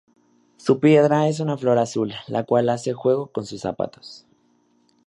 Su piedra es una flor azul, la cual hace juego con sus zapatos.